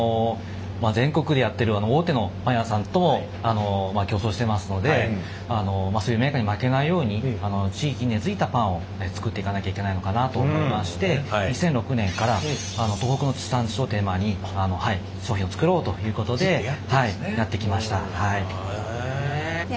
全国でやってる大手のパン屋さんと競争してますのでそういうメーカーに負けないように地域に根づいたパンを作っていかなきゃいけないのかなと思いまして２００６年から東北の地産地消をテーマに商品を作ろうということでやってきました。